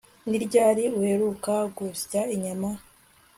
Ni ryari uheruka gusya inyama